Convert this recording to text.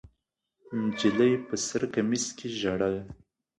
نجلۍ په سره کمیس کې ژړل.